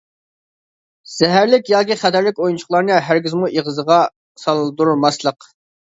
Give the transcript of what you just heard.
زەھەرلىك ياكى خەتەرلىك ئويۇنچۇقلارنى ھەرگىزمۇ ئېغىزىغا سالدۇرماسلىق.